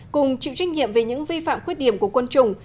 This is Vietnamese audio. cùng chịu trách nhiệm về những vi phạm khuyết điểm của quân chủng